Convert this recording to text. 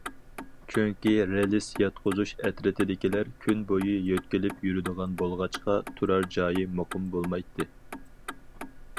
چۈنكى رېلىس ياتقۇزۇش ئەترىتىدىكىلەر كۈن بويى يۆتكىلىپ يۈرىدىغان بولغاچقا، تۇرار جايى مۇقىم بولمايتتى.